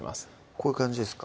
こういう感じですか？